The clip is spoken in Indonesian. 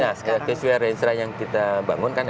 nah sesuai reinserai yang kita bangunkan